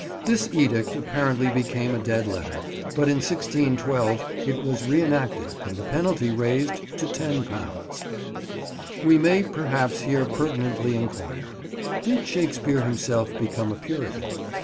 This edict apparently became a dead letter, but in 1612 it was re enacted and the penalty raised to £10. We may perhaps here pertinently inquire: Did Shakespeare himself become a Puritan?